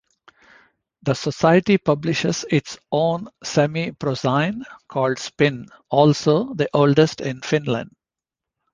The society publishes its own semiprozine, called "Spin", also the oldest in Finland.